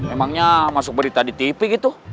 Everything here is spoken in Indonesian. emangnya masuk berita di tv gitu